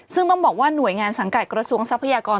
ซึ่งต้องบอกว่าหน่วยงานสังกัดกระทรวงทรัพยากร